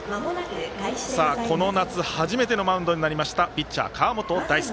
この夏初めてのマウンドになりましたピッチャー、川本大輔。